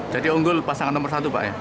jadi unggul pasangan nomor satu pak